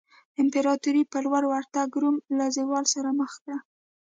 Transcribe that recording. امپراتورۍ په لور ورتګ روم له زوال سره مخ کړ.